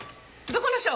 どこの署？